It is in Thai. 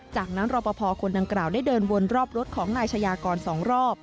จากนั้นรอปภคนดังกล่าวได้เดินวนรอบรถของนายชายากร๒รอบ